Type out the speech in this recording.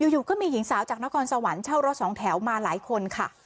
อยู่ก็มีหญิงสาวจากนครสวรรค์เช่ารถสองแถวมาหลายคนค่ะ